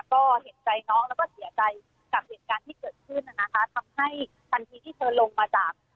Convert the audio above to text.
ก็เห็นใจน้องแล้วก็เสียใจกับเหตุการณ์ที่เกิดขึ้นนะคะทำให้ทันทีที่เธอลงมาจาก